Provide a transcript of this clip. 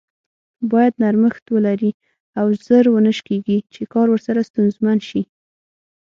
بايد نرمښت ولري او زر و نه شکیږي چې کار ورسره ستونزمن شي.